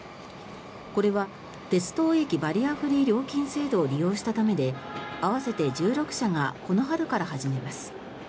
これは鉄道駅バリアフリー料金制度を利用したためで合わせて１６社がこの春から始めます。